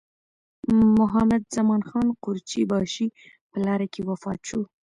محمدزمان خان قورچي باشي په لاره کې وفات شو.